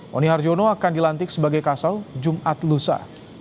roni harjono akan dilantik sebagai kasau jumat lusa